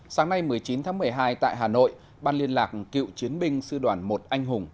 sáng nay một mươi chín tháng một mươi hai tại hà nội ban liên lạc cựu chiến binh sư đoàn một anh hùng